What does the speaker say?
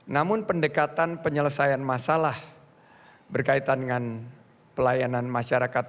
namun pendekatan penyelesaian masalah berkaitan dengan pelayanan masyarakat